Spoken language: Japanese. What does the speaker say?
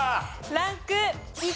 ランク１。